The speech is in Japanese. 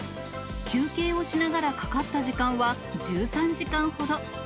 休憩をしながらかかった時間は１３時間ほど。